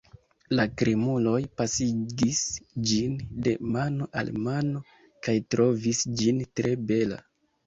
La krimuloj pasigis ĝin de mano al mano, kaj trovis ĝin tre bela.